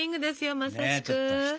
まさしく。